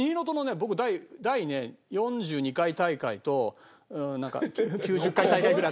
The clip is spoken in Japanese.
僕第第４２回大会となんか９０回大会ぐらい。